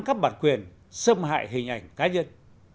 hắn cắp bản quyền xâm hại hình ảnh cá nhân